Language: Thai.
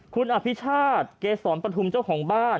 คุณอภิชาติเกษรปฐุมเจ้าของบ้าน